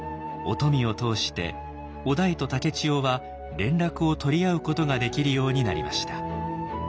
於富を通して於大と竹千代は連絡を取り合うことができるようになりました。